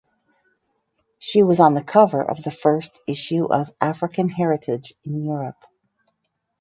She was on the cover of the first issue of African Heritage in Europe.